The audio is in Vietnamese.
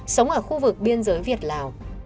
sống ở khu vực biên giới việt lào